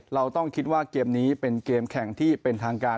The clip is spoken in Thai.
เราต้องคิดว่าเกมนี้เป็นเกมแข่งที่เป็นทางการ